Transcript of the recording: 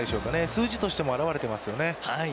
数字としてもあらわれていますよね。